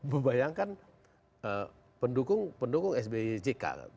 membayangkan pendukung sbyjk